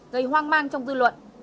gây hoang mang trong dư luận